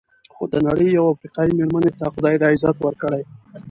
خو د نړۍ یوې افریقایي مېرمنې ته خدای دا عزت ورکړی.